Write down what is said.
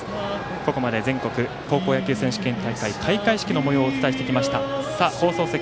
ここまで全国高校野球選手権大会開会式のもようをお伝えしてきました。